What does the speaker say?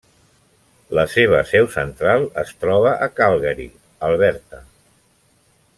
La seva seu central es troba a Calgary, Alberta.